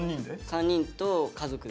３人と家族で。